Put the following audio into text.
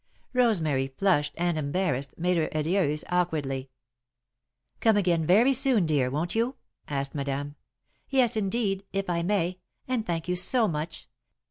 Rosemary, flushed and embarrassed, made her adieus awkwardly. "Come again very soon, dear, won't you?" asked Madame. "Yes, indeed, if I may, and thank you so much.